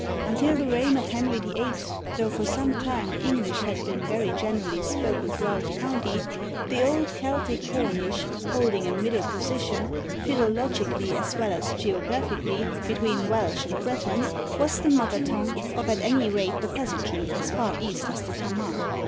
Until the reign of Henry VIII., though for some time English had been very generally spoken throughout the county, the old Celtic Cornish, holding a middle position, philologically as well as geographically, between Welsh and Breton, was the mother tongue of at any rate the peasantry as far east as the Tamar.